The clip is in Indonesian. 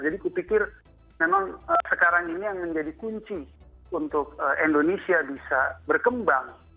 kupikir memang sekarang ini yang menjadi kunci untuk indonesia bisa berkembang